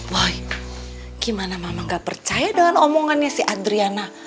wah gimana mama gak percaya dengan omongannya si adriana